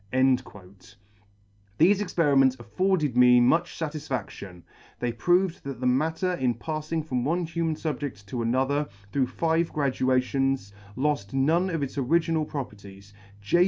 G Thefe .[ 42 ] Thefe experiments afforded me much fatis faction ; they proved that the matter in pafTing from one human fubjedt to another, through five gradations, loft none of its original pro perties, J.